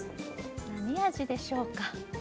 何味でしょうか？